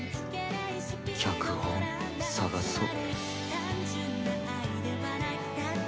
脚本探そっ。